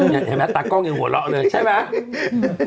เห็นไหมตากล้องยังหัวเราะเลยใช่ไหม